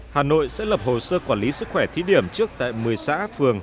hà nội sẽ lập hồ sơ quản lý sức khỏe thí điểm trước tại một mươi xã phường